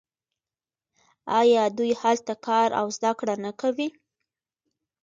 آیا دوی هلته کار او زده کړه نه کوي؟